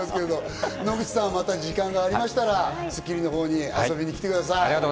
野口さん、また時間がありましたら『スッキリ』のほうに遊びに来てください。